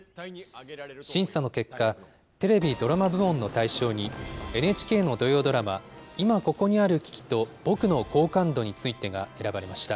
審査の結果、テレビ・ドラマ部門の大賞に、ＮＨＫの土曜ドラマ今ここにある危機とぼくの好感度についてが選ばれました。